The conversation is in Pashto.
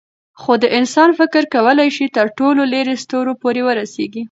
خو د انسان فکر کولی شي تر ټولو لیرې ستورو پورې ورسېږي.